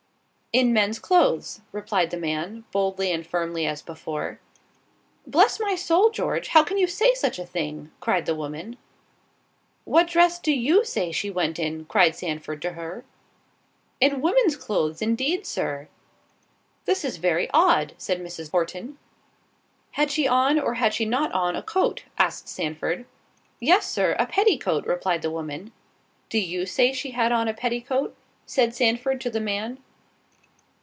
"In men's clothes," replied the man, boldly and firmly as before. "Bless my soul, George, how can you say such a thing?" cried the woman. "What dress do you say she went in?" cried Sandford to her. "In women's clothes, indeed, Sir." "This is very odd!" said Mrs. Horton. "Had she on, or had she not on, a coat?" asked Sandford. "Yes, Sir, a petticoat," replied the woman. "Do you say she had on a petticoat?" said Sandford to the man.